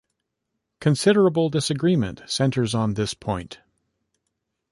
Considerable disagreement centers on this point.